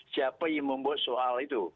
siapa yang membuat soal itu